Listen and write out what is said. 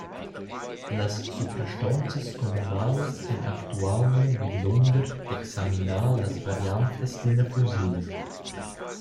Las suprastonzas communalas ein actualmein vidlunder d’examinar las variantas d’ina fusiun.